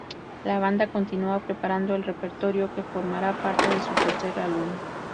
La banda continúa preparando el repertorio que formará parte de su tercer álbum.